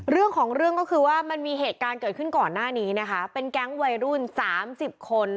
เรื่องของเรื่องก็คือว่ามันมีเหตุการณ์เกิดขึ้นก่อนหน้านี้นะคะเป็นแก๊งวัยรุ่นสามสิบคน